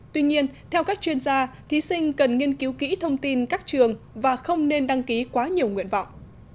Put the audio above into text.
tuy nhiên theo các chuyên gia thí sinh cần nghiên cứu kỹ thông tin các trường và không nên đăng ký quá nhiều nguyện vọng